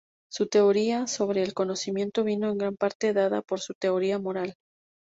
Su teoría sobre el conocimiento vino en gran parte dada por su teoría moral.